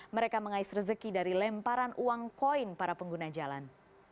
mereka mengais rezeki dari lemparan uang koin para pengguna jalan